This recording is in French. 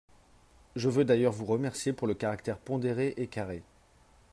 Je veux d’ailleurs vous remercier pour le caractère pondéré Et carré